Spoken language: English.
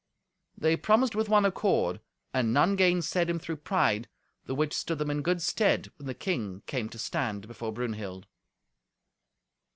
They promised with one accord, and none gainsayed him through pride, the which stood them in good stead when the king came to stand before Brunhild.